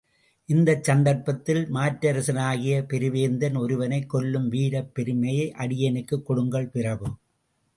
இந்தச் சந்தர்ப்பத்தில், மாற்றரசனாகிய பெருவேந்தன் ஒருவனைக் கொல்லும் வீரப் பெருமையை அடியேனுக்குக் கொடுங்கள் பிரபு!